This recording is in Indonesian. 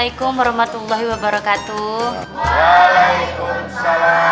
waalaikumsalam warahmatullahi wabarakatuh